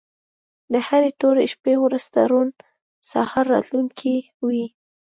د هرې تورې شپې وروسته روڼ سهار راتلونکی وي.